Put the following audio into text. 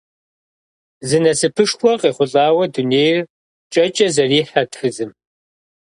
Зы насыпышхуэ къехъулӀауэ дунейр кӀэкӀэ зэрихьэрт фызым.